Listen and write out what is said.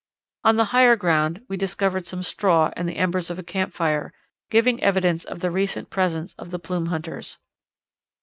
On the higher ground we discovered some straw and the embers of a campfire, giving evidence of the recent presence of the plume hunters.